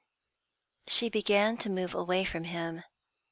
She began to move away from him.